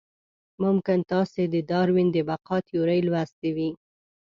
ممکن تاسې د داروېن د بقا تیوري لوستې وي.